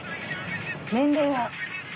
年齢は？